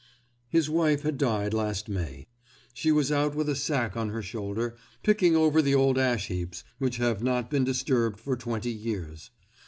His wife had died last May. She was out with a sack on her shoulder, picking over the old ash heaps which have not been disturbed for twenty years.